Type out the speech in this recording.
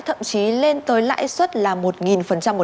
thậm chí lên tới lãi suất là một một năm